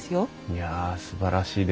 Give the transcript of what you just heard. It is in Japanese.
いやすばらしいです。